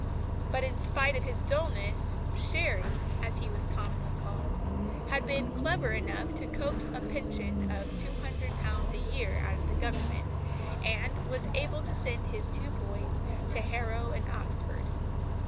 But, in spite of his dulness, "Sherry" as he was commonly called had been clever enough to coax a pension of £200 a year out of the Government, and was able to send his two boys to Harrow and Oxford.